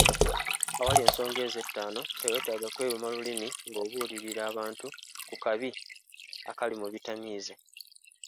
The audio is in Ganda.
Awali ensonga ezo ettaano, teweetaaga kweruma lulimi ng'obuulirira abantu ku kabi akali mu bitamiiza.